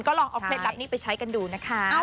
ก็ลองเอาเคล็ดลับนี้ไปใช้กันดูนะคะ